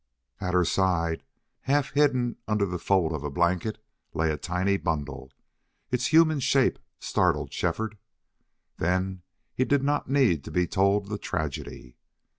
At her side, half hidden under the fold of blanket, lay a tiny bundle. Its human shape startled Shefford. Then he did not need to be told the tragedy.